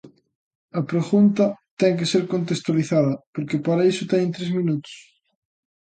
A pregunta ten que ser contextualizada, porque para iso teño tres minutos.